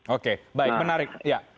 oke baik menarik